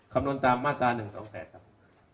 คำนวณตามมาตรา๑๒๘ครับ